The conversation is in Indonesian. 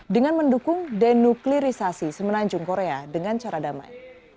dengan mendukung denuklirisasi semenanjung korea dengan cara damai